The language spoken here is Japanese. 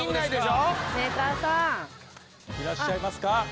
いらっしゃいますか？